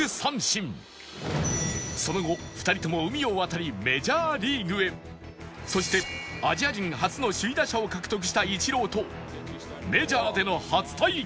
その後２人とも海を渡りそしてアジア人初の首位打者を獲得したイチローとメジャーでの初対決